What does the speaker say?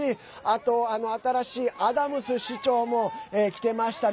あと新しいアダムス市長も来てました。